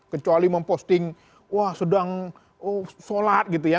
kecuali memposting wah sedang sholat gitu ya